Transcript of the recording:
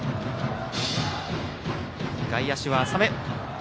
外野手は浅め。